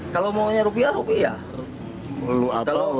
kalau maunya rupiah rupiah